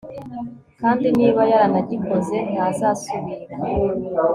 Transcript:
kandi niba yaranagikoze, ntazasubira